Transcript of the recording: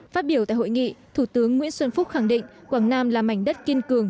phát biểu tại hội nghị thủ tướng nguyễn xuân phúc khẳng định quảng nam là mảnh đất kiên cường